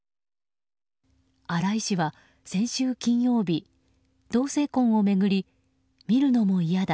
荒井氏は、先週金曜日同性婚を巡り見るのも嫌だ。